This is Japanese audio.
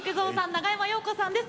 長山洋子さんです。